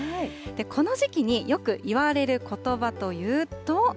この時期によく言われることばというと。